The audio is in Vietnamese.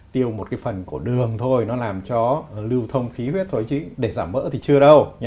tiêu một cái phần của đường thôi nó làm cho lưu thông khí huyết thôi chứ để giảm bớt thì chưa đâu